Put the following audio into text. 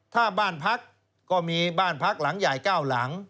ถ้าบ้านพักก็มีบ้านพักหลังใหญ่๙หลัง